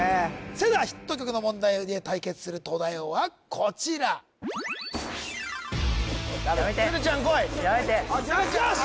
それではヒット曲の問題で対決する東大王はこちら・鶴ちゃんこい！やめてやめて・あっ女子！